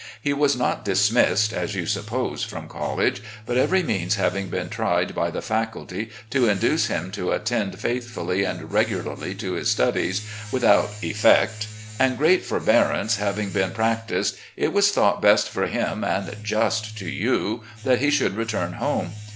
He was not dismissed, as you suppose, from college, but every means having been tried by the faculty to induce him to attend faithfully and regularly to his studies, without effect, and great forbearance having been practised, it was thought best for him, and just to you, that he should return home.